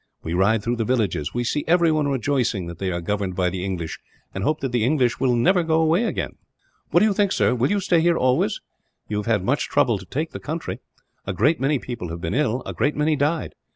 We ride through the villages; we see everyone rejoicing that they are governed by the English, and hoping that the English will never go away again. "What do you think, sir will you stay here always? You have had much trouble to take the country. A great many people have been ill; a great many died.